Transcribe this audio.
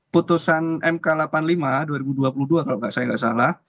putusan mk delapan puluh lima dua ribu dua puluh dua kalau saya nggak salah